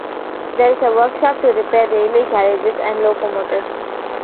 There is a workshop to repair railway carriages and locomotives.